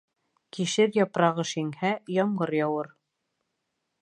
Кишер япрағы шиңһә, ямғыр яуыр.